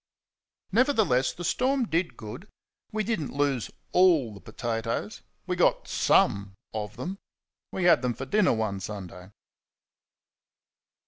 Nevertheless, the storm did good. We did n't lose ALL the potatoes. We got SOME out of them. We had them for dinner one Sunday.